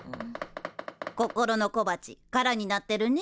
心の小鉢空になってるねえ。